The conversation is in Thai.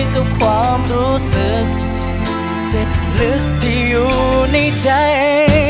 กับความรู้สึกเจ็บลึกที่อยู่ในใจ